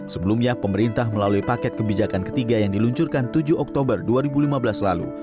sebelumnya pemerintah melalui paket kebijakan ketiga yang diluncurkan tujuh oktober dua ribu lima belas lalu